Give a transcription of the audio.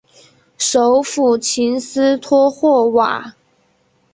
首府琴斯托霍瓦。